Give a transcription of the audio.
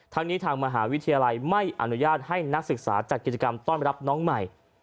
ทางนี้ทางมหาวิทยาลัยไม่อนุญาตให้นักศึกษาจัดกิจกรรมต้อนรับน้องใหม่